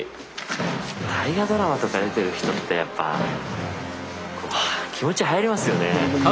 大河ドラマとか出てる人ってやっぱ気持ち入りますよね。